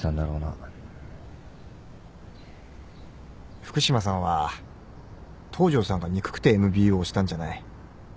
福島さんは東城さんが憎くてＭＢＯをしたんじゃない。